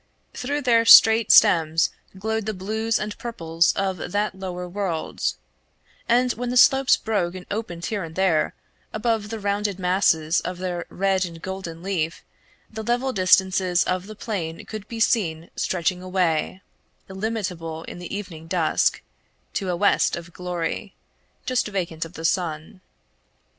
Through their straight stems glowed the blues and purples of that lower world; and when the slopes broke and opened here and there, above the rounded masses of their red and golden leaf the level distances of the plain could be seen stretching away, illimitable in the evening dusk, to a west of glory, just vacant of the sun.